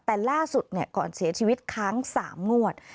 แต่ล่าสุดก่อนเสียชีวิตค้าง๓งวด